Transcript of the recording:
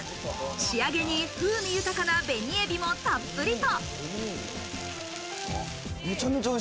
仕上げに風味豊かな紅えびもたっぷりと。